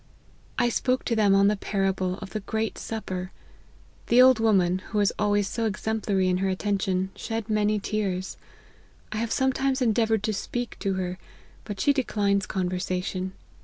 I spoke to them on the parable of the Great Supper : the old woman, who is always so exemplary in her atten tion, shed many tears ; I have sometimes endea voured to speak to her, but she declines conversa tion.